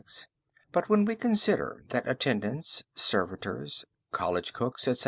but when we consider that attendants, servitors, college cooks, etc.